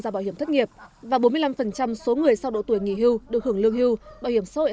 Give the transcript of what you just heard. gia bảo hiểm thất nghiệp và bốn mươi năm số người sau độ tuổi nghỉ hưu được hưởng lương hưu bảo hiểm xã hội